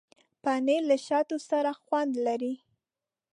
پنېر له شاتو سره خوند لري.